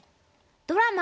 ドラマ